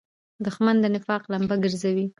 دښمن د نفاق لمبه ګرځوي